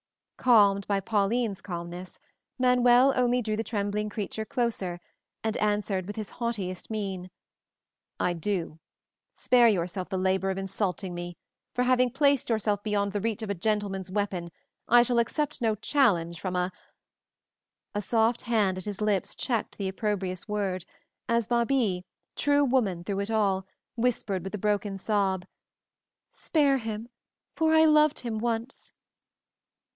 Calmed by Pauline's calmness, Manuel only drew the trembling creature closer, and answered with his haughtiest mien, "I do; spare yourself the labor of insulting me, for having placed yourself beyond the reach of a gentleman's weapon, I shall accept no challenge from a " A soft hand at his lips checked the opprobrious word, as Babie, true woman through it all, whispered with a broken sob, "Spare him, for I loved him once."